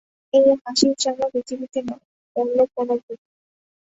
এই হাসির জন্ম পৃথিবীতে নয়, অন্য কোনো ভুবনে।